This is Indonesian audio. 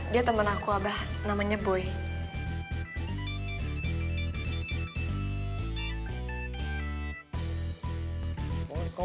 dia temen aku abah